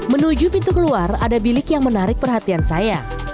menuju pintu keluar ada bilik yang menarik perhatian saya